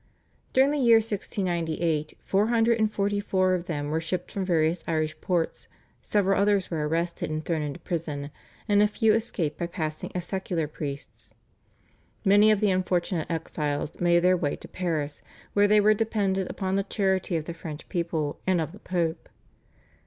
During the year 1698 four hundred and forty four of them were shipped from various Irish ports, several others were arrested and thrown into prison, and a few escaped by passing as secular priests. Many of the unfortunate exiles made their way to Paris, where they were dependent upon the charity of the French people and of the Pope.